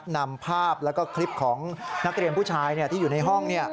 นำภาพแล้วก็คลิปของนักเรียนผู้ชายที่อยู่ในห้อง